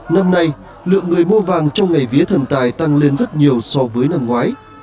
năm nay lượng người mua vàng trong ngày vía thần tài tăng lên rất nhiều so với năm ngoái